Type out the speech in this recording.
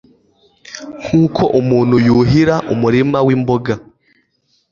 nkuko umuntu yuhira umurima wimboga